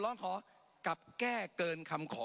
ร้องขอกลับแก้เกินคำขอ